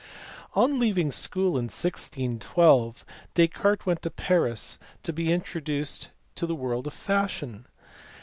On leaving school in 1612 Descartes went to Paris to be introduced to the world of fashion.